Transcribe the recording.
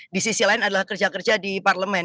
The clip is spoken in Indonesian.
di sisi lain adalah kerja kerja di parlemen